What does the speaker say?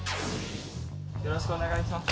よろしくお願いします。